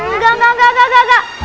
enggak enggak enggak enggak